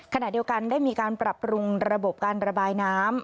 ขณะเดียวกันได้มีการปรับปรุงระบบการระบายน้ำ